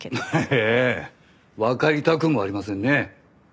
ええわかりたくもありませんね。